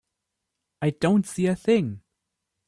I don't see a thing.